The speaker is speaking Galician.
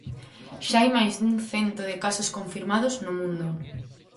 Xa hai máis dun cento de casos confirmados no mundo.